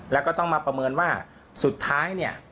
แล้วก็ต้องมาประเมินว่าสุดท้ายเนี่ย